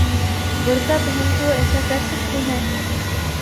برقعہ پہن کے وہ ایسا کر سکتی ہیں؟